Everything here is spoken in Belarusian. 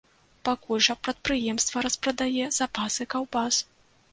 Пакуль жа прадпрыемства распрадае запасы каўбас.